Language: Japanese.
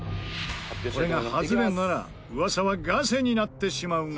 これがハズレなら噂はガセになってしまうが。